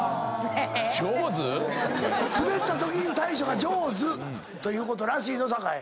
スベったときに対処が上手ということらしいぞ酒井。